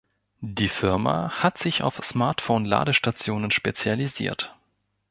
Die Firma hat sich auf Smartphone-Ladestationen spezialisiert.